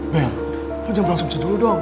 bel lo jangan langsung saja dulu dong